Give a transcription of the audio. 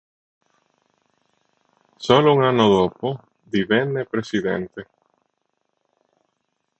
Solo un anno dopo, divenne presidente.